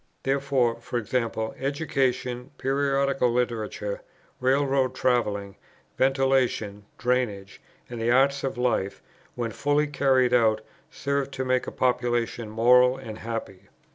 Therefore, e.g. education, periodical literature, railroad travelling, ventilation, drainage, and the arts of life, when fully carried out, serve to make a population moral and happy.